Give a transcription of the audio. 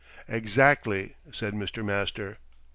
"Exactly!" said Mr. Master.